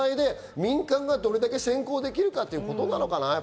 民間がどれだけ先行できるのかってことなのかな。